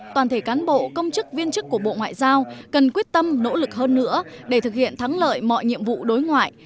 toàn thể cán bộ công chức viên chức của bộ ngoại giao cần quyết tâm nỗ lực hơn nữa để thực hiện thắng lợi mọi nhiệm vụ đối ngoại